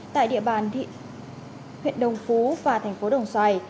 tại địa bàn huyện đồng phú và thành phố đồng xoài